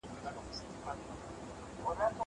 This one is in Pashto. دا ليکنې له هغه ګټورې دي.